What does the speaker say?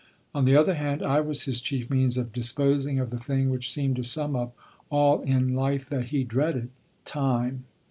On the other hand, I was his chief means of disposing of the thing which seemed to sum up all in life that he dreaded time.